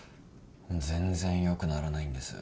全然良くならないんです。